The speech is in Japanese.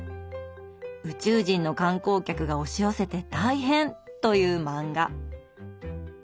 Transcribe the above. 宇宙人の観光客が押し寄せて大変！という漫画。